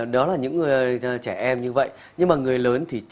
đó là những trẻ em như vậy nhưng mà người lớn thì